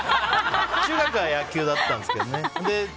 中学は野球だったんですけど。